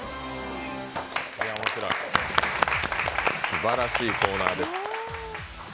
すばらしいコーナーです。